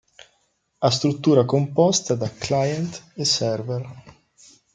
Ha struttura composta da "client" e "server".